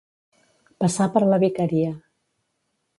Passar per la vicaria.